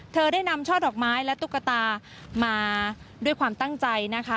ได้นำช่อดอกไม้และตุ๊กตามาด้วยความตั้งใจนะคะ